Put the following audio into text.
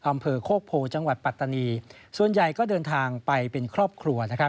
อำเภอโคกโพจังหวัดปัตตานีส่วนใหญ่ก็เดินทางไปเป็นครอบครัวนะครับ